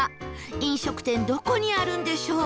飲食店どこにあるんでしょう？